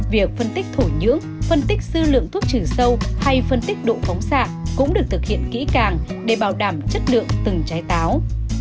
việc phân tích thổ nhưỡng phân tích sư lượng thuốc trừ sâu hay phân tích độ phóng xạ cũng được thực hiện kỹ càng để bảo đảm chất lượng từng trái táo